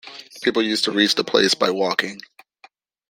People used to reach the place by walking.